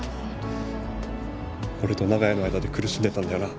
俺と長屋の間で苦しんでたんだよな？